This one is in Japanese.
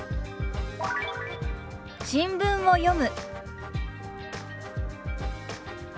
「新聞を読む」。